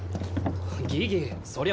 ギギそりゃ